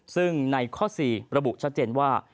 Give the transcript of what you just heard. ซึ่งในข้อ๔ระบุชัดเจนว่า